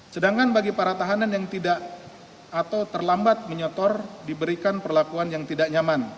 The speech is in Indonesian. sedangkan bagi para tahanan yang tidak atau terlambat menyetor diberikan perlakuan yang tidak nyaman